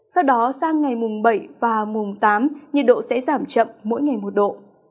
sau đó sang ngày mùng bảy và mùng tám nhiệt độ sẽ giảm chậm mỗi ngày một độ